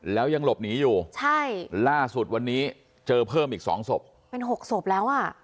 แล้วยังหลบหนีอยู่ล่าสุดวันนี้เจอเพิ่มอีก๒ศพเป็น๖ศพแล้ว